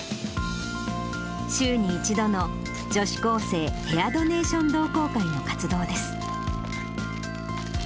週に１度の女子高生ヘアドネーション同好会の活動です。